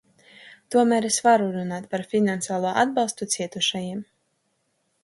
Tomēr es varu runāt par finansiālo atbalstu cietušajiem.